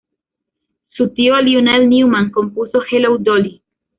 Su tío Lionel Newman compuso "Hello, Dolly!